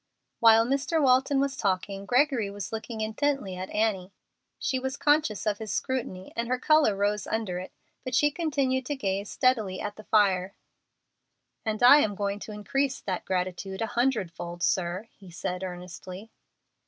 While Mr. Walton was talking, Gregory was looking intently at Annie. She was conscious of his scrutiny, and her color rose under it, but she continued to gaze steadily at the fire. "And I am going to increase that gratitude a hundred fold, sir," he said, earnestly.